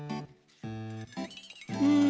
うん。